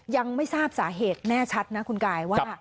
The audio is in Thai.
ยังไม่ทราบสาเหตุแน่ชัดนะคุณกายว่า